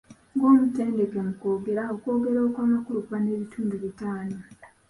Ng’omutendeke mu kwogera, okwogera okw’amakulu kuba n'ebitundu bitaano.